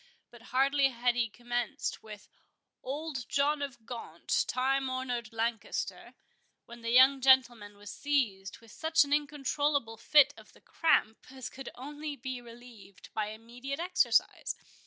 But hardly had he commenced with "Old John of Gaunt, time honored Lancaster," when the young gentleman was seized with such an incontrollable fit of the cramp as could only be relieved by immediate exercise.